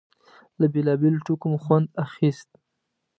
له بېلابېلو ټوکو مو خوند اخيست.